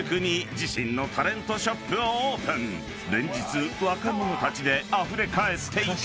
［連日若者たちであふれかえっていた］